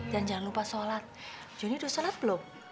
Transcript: dan jangan lupa sholat jonny sudah sholat belum